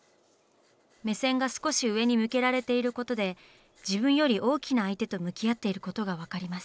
目線が少し上に向けられていることで自分より大きな相手と向き合っていることが分かります。